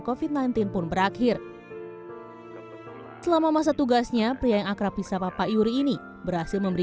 kofit sembilan belas pun berakhir selama masa tugasnya pria yang akrab bisa papa yuri ini berhasil memberi